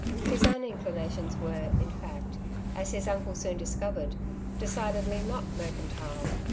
His own inclinations were, in fact, as his uncle soon discovered, decidedly not mercantile.